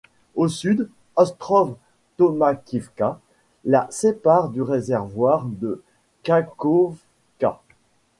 Au sud, Ostrov Tomakivka la sépare du réservoir de Kakhovka.